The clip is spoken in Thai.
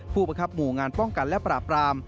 ผู้บังคับหมู่งานป้องกันและปราบราม